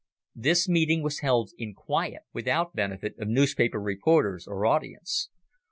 This meeting was held in quiet, without benefit of newspaper reporters or audience.